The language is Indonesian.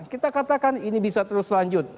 kita katakan ini bisa terus lanjut